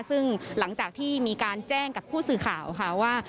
ซึ่งหลังจากที่มีการแจ้งกับผู้สื่อข่าวค่ะว่า